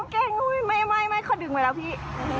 เก่งไม่ขอดึงไปแล้วพี่